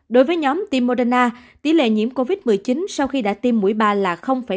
đối với nhóm tiêm moderna tỷ lệ nhiễm covid một mươi chín sau khi đã tiêm mũi ba là ba